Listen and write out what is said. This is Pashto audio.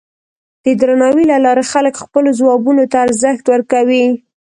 د درناوي له لارې خلک خپلو ځوابونو ته ارزښت ورکوي.